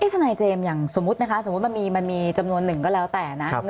ถ้าในเจมส์อย่างสมมติมันมีจำนวนหนึ่งก็แล้วแต่นะ